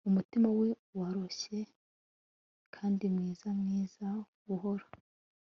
umutima we woroshye kandi mwiza mwiza buhoro